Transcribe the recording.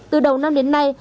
từ đầu năm đến nay